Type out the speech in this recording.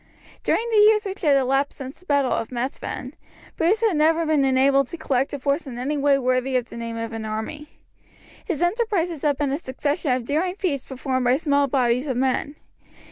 During the years which had elapsed since the battle of Methven, Bruce had never been enabled to collect a force in any way worthy of the name of an army. His enterprises had been a succession of daring feats performed by small bodies of men.